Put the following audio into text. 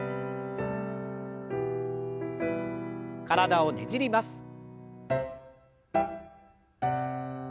体をねじります。